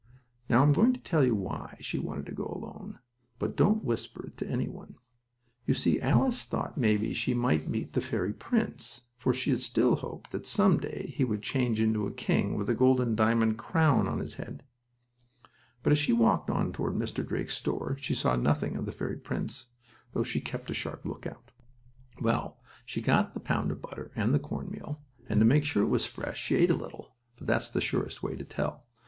Now I'm going to tell you why she wanted to go alone, but don't whisper it to any one. You see, Alice thought maybe she might meet the fairy prince, for she still hoped that some day he would change into a king with a golden diamond crown on his head. But, as she walked on toward Mr. Drake's store she saw nothing of the fairy prince, though she kept a sharp lookout. Well, she got the pound of butter and the cornmeal, and to make sure it was fresh she ate a little, for that's the surest way to tell.